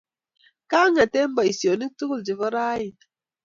Kaang'et eng' poisyonik tukul che po raini